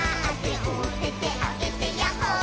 「おててあげてヤッホー」